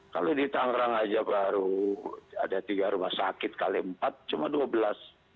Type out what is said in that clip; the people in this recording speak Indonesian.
kalau di tangerang saja baru ada tiga rumah sakit kali empat cuma dua belas